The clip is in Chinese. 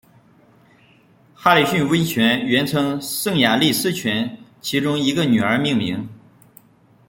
哈里逊温泉原称圣雅丽斯泉其中一个女儿命名。